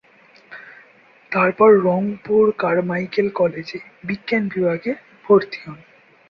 তারপর রংপুর কারমাইকেল কলেজ-এ বিজ্ঞান বিভাগে ভর্তি হন।